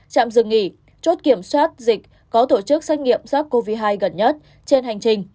trạm dừng nghỉ chốt kiểm soát dịch có tổ chức xét nghiệm sars cov hai gần nhất trên hành trình